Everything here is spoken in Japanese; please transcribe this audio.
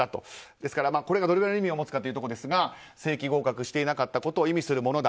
ですから、これがどれぐらいの意味を持つかですが正規合格していなかったことを意味するものだ。